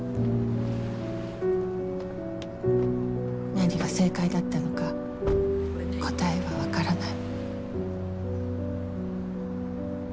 何が正解だったのか答えは分からない